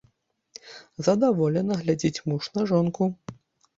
Задаволена глядзіць муж на жонку.